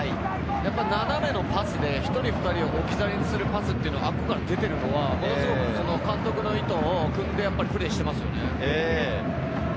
斜めのパスで１人・２人、置き去りをするパスが出ているのは監督の意図を汲んでプレーしています。